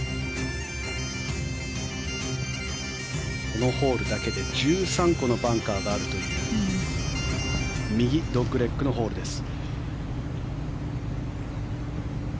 このホールだけで１３個のバンカーがあるという右ドッグレッグのホールです。